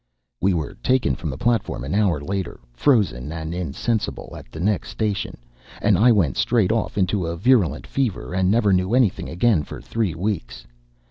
We were taken from the platform an hour later, frozen and insensible, at the next station, and I went straight off into a virulent fever, and never knew anything again for three weeks.